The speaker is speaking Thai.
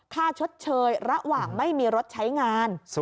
ชดเชยระหว่างไม่มีรถใช้งาน